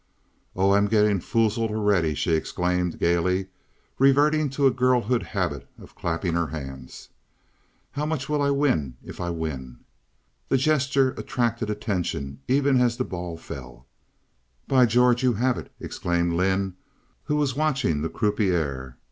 "Oh, I'm getting foozled already," she exclaimed, gaily reverting to a girlhood habit of clapping her hands. "How much will I win if I win?" The gesture attracted attention even as the ball fell. "By George, you have it!" exclaimed Lynde, who was watching the croupier.